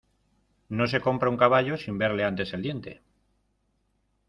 no se compra un caballo sin verle antes el diente.